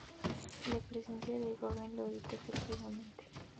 La presencia del "Goeben" lo evitó efectivamente.